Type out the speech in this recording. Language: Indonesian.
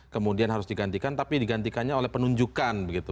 kemudian harus digantikan tapi digantikannya oleh penunjukan begitu